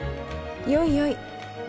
よいよい。